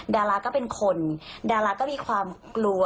ดาราก็เป็นคนดาราก็มีความกลัว